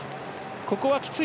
ここはきつい。